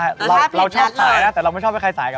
เออรู้สึกไม่โอเค